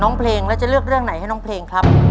เพลงแล้วจะเลือกเรื่องไหนให้น้องเพลงครับ